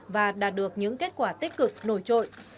và đạt được những kết quả đáng chú ý